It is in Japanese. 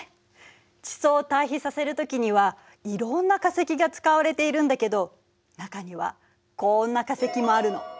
地層を対比させるときにはいろんな化石が使われているんだけど中にはこんな化石もあるの。